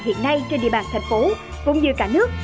hiện nay trên địa bàn thành phố cũng như cả nước